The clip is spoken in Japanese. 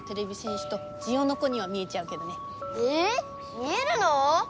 ⁉見えるの？